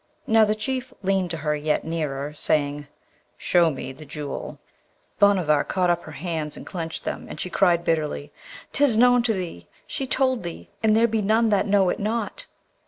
Now, the Chief leaned to her yet nearer, saying, 'Show me the Jewel.' Bhanavar caught up her hands and clenched them, and she cried bitterly, ''Tis known to thee! She told thee, and there be none that know it not!'